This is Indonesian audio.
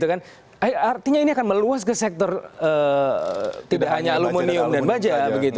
artinya ini akan meluas ke sektor tidak hanya aluminium dan baja